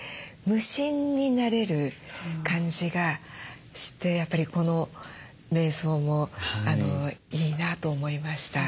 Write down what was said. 無心になれる感じがしてこのめい想もいいなと思いました。